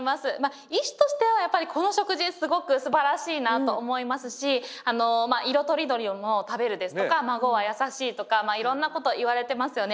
医師としてはやっぱりこの食事すごくすばらしいなと思いますし色とりどりのものを食べるですとか「まごわやさしい」とかいろんなこといわれてますよね。